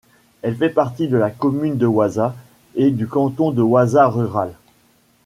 Elle fait partie de la commune de Waza et du canton de Waza rural.